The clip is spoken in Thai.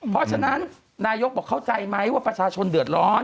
เพราะฉะนั้นนายกบอกเข้าใจไหมว่าประชาชนเดือดร้อน